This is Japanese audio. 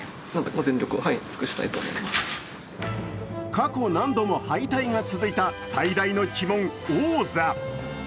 過去何度も敗退が続いた最大の鬼門、王座。